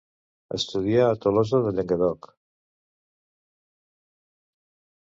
Estudià a Tolosa de Llenguadoc.